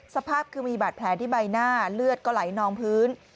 สภาพคือมีบาดแผลที่ใบหน้าเลือดก็ไหลนองพื้น